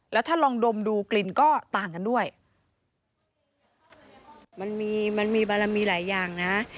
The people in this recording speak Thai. แล้วถ้าลองดมดูกลิ่นก็ต่างกันด้วยมันมีมันมีบารมีหลายอย่างนะ